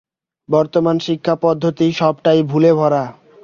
বর্তমান শিক্ষাপদ্ধতি সবটাই ভুলে ভরা।